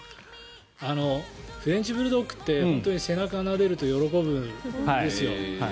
フレンチブルドッグって背中をなでると喜ぶんですよ。